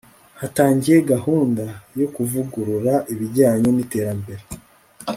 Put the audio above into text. hatangiye gahunda yo kuvugurura ibijyanye n'iterambere